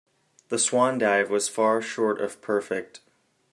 The swan dive was far short of perfect.